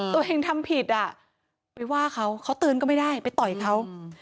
ตัวเองทำผิดอ่ะไปว่าเขาเขาเตือนก็ไม่ได้ไปต่อยเขา